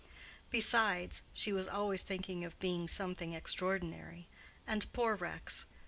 Besides, she was always thinking of being something extraordinary. And poor Rex!